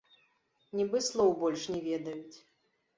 Нібы слоў больш не ведаюць.